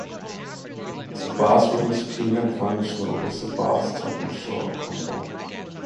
The bathroom is clean and functional, with a bathtub and shower combo.